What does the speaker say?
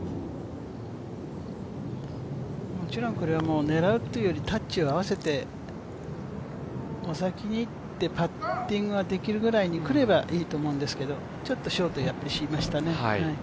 もちろん狙うというよりも、タッチを合わせて先に打ってパッティング賀ができるぐらいにくればいいんですけどちょっとショート、走りましたね。